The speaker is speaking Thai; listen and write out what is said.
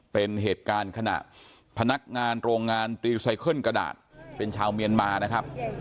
เป็นเหตุการณ์ขณะพนักงานโรงงานรีไซเคิลกระดาษเป็นชาวเมียนมานะครับ